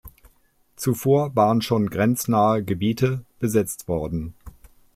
Zuvor waren schon grenznahe Gebiete besetzt worden.